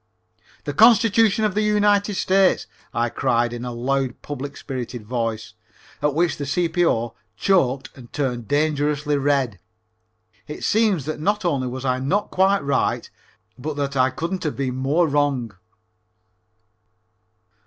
"The Constitution of these United States," I cried in a loud, public spirited voice, at which the C.P.O. choked and turned dangerously red. It seems that not only was I not quite right, but that I couldn't have been more wrong.